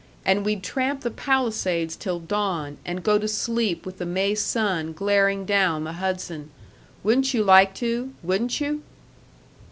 and we'd tramp the Palisades till dawn and go to sleep with the May sun glaring down the Hudson. Wouldn't you like to, wouldn't you?"